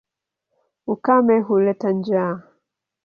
Ukame huleta njaa.